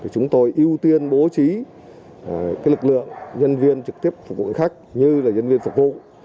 chúng tôi ưu tiên bố trí lực lượng nhân viên trực tiếp phục vụ khách như nhân viên phục vụ